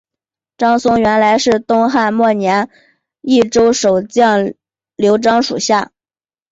张松原来是东汉末年益州守将刘璋属下。